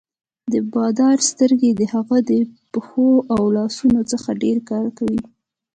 د بادار سترګې د هغه د پښو او لاسونو څخه ډېر کار کوي.